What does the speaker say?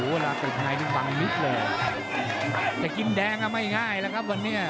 เวลาติดในนี่บังมิดเลยแต่กินแดงอ่ะไม่ง่ายแล้วครับวันนี้